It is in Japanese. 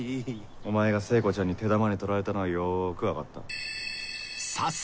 お前が聖子ちゃんに手玉に取られたのはよく分かった。